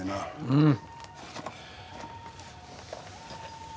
うん。